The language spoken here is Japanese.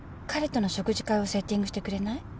彼との食事会をセッティングしてくれない？